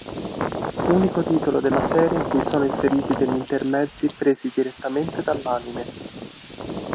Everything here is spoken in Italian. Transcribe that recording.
Unico titolo della serie in cui sono inseriti degli intermezzi presi direttamente dall'anime.